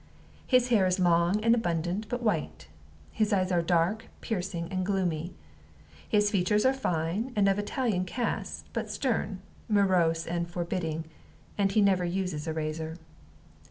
His hair is long and abundant, but white; his eyes are dark, piercing, and gloomy. His features are fine, and of Italian cast, but stern, morose, and forbidding, and he never uses razor.